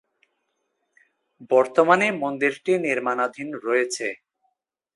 বর্তমানে মন্দিরটি নির্মাণাধীন রয়েছে।